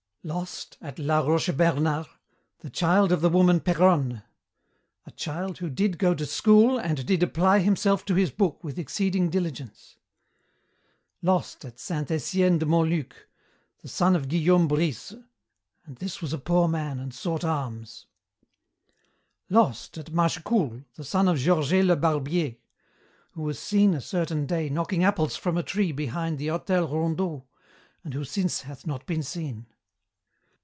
"Lost, at la Rochebernart, the child of the woman Péronne, 'a child who did go to school and who did apply himself to his book with exceeding diligence.' "Lost, at Saint Etienne de Montluc, the son of Guillaume Brice, 'and this was a poor man and sought alms.' "Lost, at Mâchecoul, the son of Georget le Barbier, 'who was seen, a certain day, knocking apples from a tree behind the hôtel Rondeau, and who since hath not been seen.'